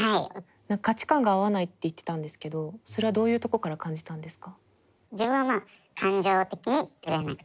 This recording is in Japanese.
価値観が合わないって言ってたんですけどそれはどういうとこから感じたんですか？